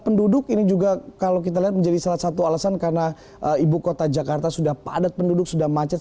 penduduk ini juga kalau kita lihat menjadi salah satu alasan karena ibu kota jakarta sudah padat penduduk sudah macet